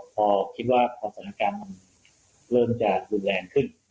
พอคิดว่าพอสถานการณ์มันเริ่มจะรุนแรงขึ้น